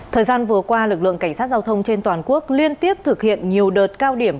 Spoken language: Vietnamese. thời gian vừa qua lực lượng cảnh sát giao thông trên toàn quốc liên tiếp thực hiện nhiều đợt cao điểm